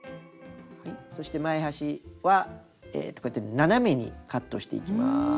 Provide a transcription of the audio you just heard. そして前端はこうやって斜めにカットしていきます。